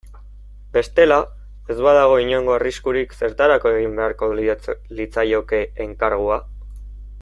Bestela, ez badago inongo arriskurik zertarako egin beharko litzaioke enkargua.